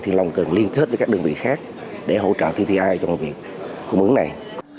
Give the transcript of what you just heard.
thì long cần liên kết với các đơn vị khác để hỗ trợ tti trong việc cung ứng này